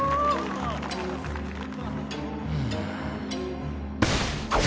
うん。